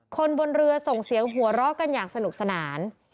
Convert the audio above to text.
คนบนเรือส่งเสียงหัวเราะกันอย่างสนุกสนาน